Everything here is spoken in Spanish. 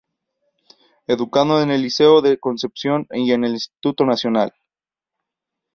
Educado en el Liceo de Concepción y en el Instituto Nacional.